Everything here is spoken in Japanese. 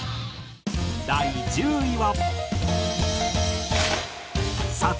第１０位は。